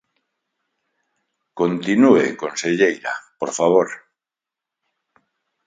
Continúe, conselleira, por favor.